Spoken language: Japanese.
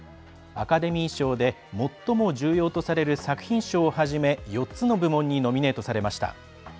アカデミー賞で最も重要とされる作品賞をはじめ４つの部門にノミネートされました。